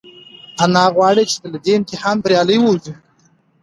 انا غواړي چې له دې امتحانه بریالۍ ووځي.